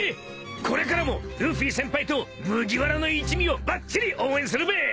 これからもルフィ先輩と麦わらの一味をばっちり応援するべ。